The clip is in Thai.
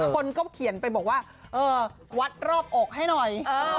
คนก็เขียนไปบอกว่าเออวัดรอบอกให้หน่อย